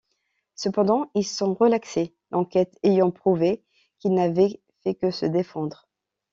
Cependant ils sont relaxés, l'enquête ayant prouvé qu'ils n'avaient fait que se défendre.